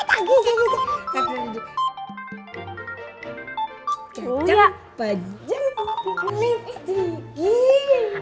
jangga panjang jang panjang jang panjang jang panjang jang panjang